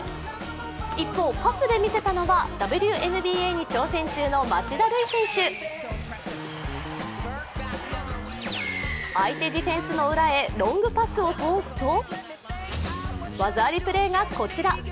一方、パスで見せたのがＷＮＢＡに挑戦中の町田瑠唯選手、相手ディフェンスの裏へロングパスを通すと技ありプレーがこちら。